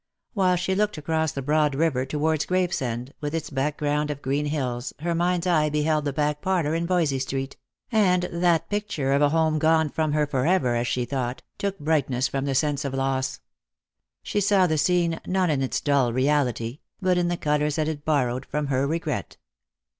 While she looked across the broad river towards Gravesend, with its background of green hills, her mind's eye beheld the back parlour in Voysey street ; and that picture of a home gone from her for ever, as she thought, took brightness from the sense of loss. She saw the scene not in its dull reality, but in the colours that it borrowed from her regret.